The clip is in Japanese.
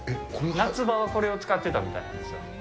夏場はこれを使ってたみたいなんですよ。